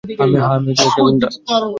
হ্যাঁ, আমি একটা গুন্ডা।